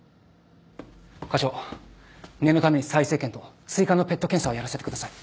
科長念のために再生検と追加のＰＥＴ検査をやらせてください。